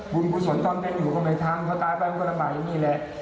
บุญบุสนต้องเป็นอยู่ก็ไม่ทำเพราะตายไปมันก็ระบายอย่างนี้แหละ